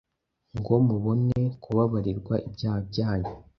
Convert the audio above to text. ngo mubone kubabarirwa ibyaha byanyu,